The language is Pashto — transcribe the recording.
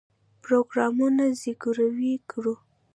پروګرامر زګیروی وکړ